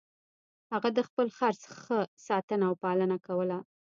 هغه د خپل خر ښه ساتنه او پالنه کوله.